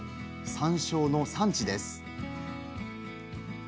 山椒の産地です。